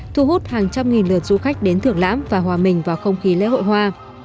thu hút hàng trăm nghìn lượt du khách đến thưởng lãm và hòa mình vào không khí lễ hội hoa